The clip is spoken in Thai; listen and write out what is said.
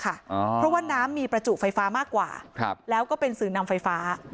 เพราะว่าน้ำมีประจุไฟฟ้ามากกว่าแล้วก็เป็นสื่อนำไฟฟ้า